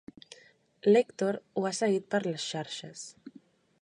L'Èctor ho ha seguit per les xarxes.